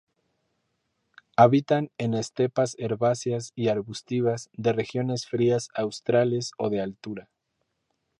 Habitan en estepas herbáceas y arbustivas de regiones frías australes o de altura.